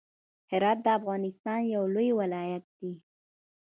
هرات د افغانستان يو لوی ولايت دی.